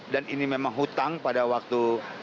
dan ini memang hutang pada waktu